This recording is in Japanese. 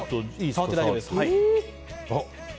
触って大丈夫です。